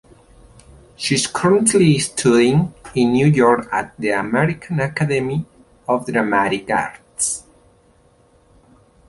She is currently studying in New York at the American Academy of Dramatic Arts.